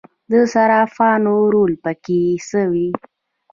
د صرافانو رول پکې څه و؟